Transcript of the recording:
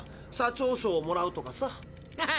社長賞をもらうとかさ。